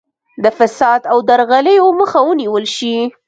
د فساد او درغلیو مخه ونیول شي.